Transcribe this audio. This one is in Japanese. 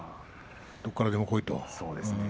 どこからでもこいと。